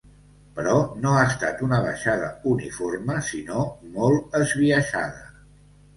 Però no ha estat una baixada uniforme, sinó molt esbiaixada.